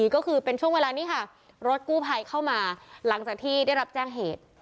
ก็คือเป็นช่วงเวลานี้ค่ะรถกู้ภัยเข้ามาหลังจากที่ได้รับแจ้งเหตุ